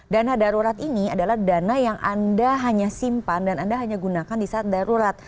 dana darurat ini adalah dana yang anda hanya simpan dan anda hanya gunakan di saat darurat